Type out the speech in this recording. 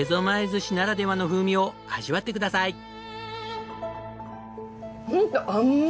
前寿司ならではの風味を味わってください。